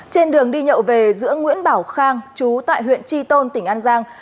trên đường đi nhậu về giữa nguyễn bảo khang chú tại huyện tri tôn tỉnh an giang